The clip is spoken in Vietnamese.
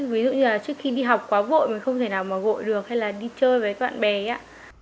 ví dụ như là trước khi đi học quá vội mình không thể nào mà gội được hay là đi chơi với bạn bè ấy á